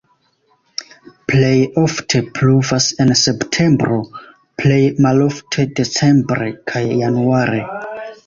Plej ofte pluvas en septembro, plej malofte decembre kaj januare.